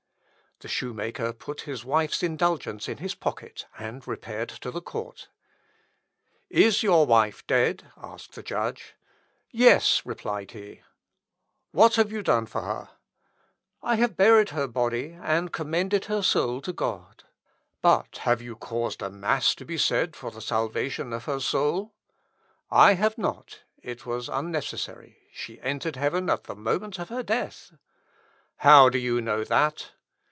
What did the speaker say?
The shoemaker put his wife's indulgence in his pocket and repaired to the court. "Is your wife dead?" asked the judge. "Yes," replied he. "What have you done for her?" "I have buried her body, and commended her soul to God." "But have you caused a mass to be said for the salvation of her soul?" I have not; it was unnecessary. She entered heaven the moment of her death." "How do you know that?"